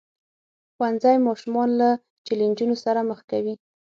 ښوونځی ماشومان له چیلنجونو سره مخ کوي.